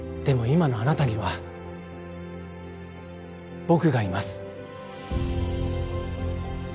今のあなたには僕がいます